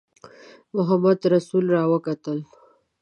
محمدرسول را وکتل.